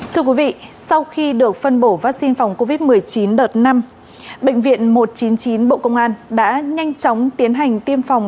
thưa quý vị sau khi được phân bổ vaccine phòng covid một mươi chín đợt năm bệnh viện một trăm chín mươi chín bộ công an đã nhanh chóng tiến hành tiêm phòng